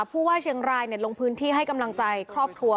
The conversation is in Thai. ผู้ว่าเชียงรายลงพื้นที่ให้กำลังใจครอบครัว